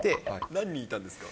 何人いたんですか。